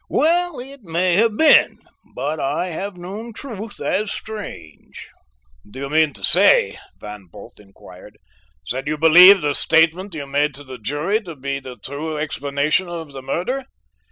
"Well, it may have been, but I have known truth as strange." "Do you mean to say," Van Bult inquired, "that you believe the statement you made to the jury to be the true explanation of the murder?"